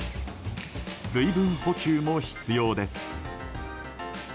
水分補給も必要です。